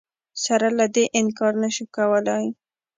سره له دې انکار نه شو کولای